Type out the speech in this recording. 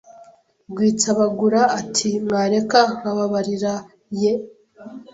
Rwitsibagura ati mwareka nkababarira ye